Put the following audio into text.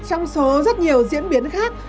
trong số rất nhiều diễn biến khác